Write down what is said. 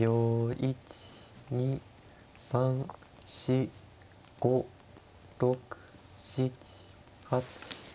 １２３４５６７８。